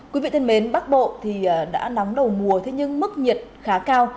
quý vị thân mến bắc bộ thì đã nóng đầu mùa thế nhưng mức nhiệt khá cao